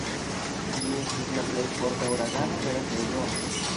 Ĝi estis la plej forta uragano de la sezono.